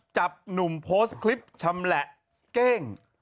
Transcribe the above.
จับหนุ่มโพสต์คลิปชำแหละเก้ง